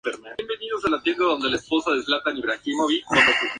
Su carácter recóndito y sus escrúpulos pudieron pesar en su extraña desaparición.